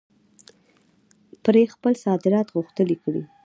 پرې خپل صادرات غښتلي کړي.